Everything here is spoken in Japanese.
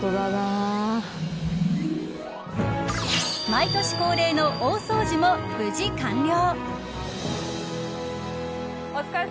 毎年恒例の大掃除も無事完了。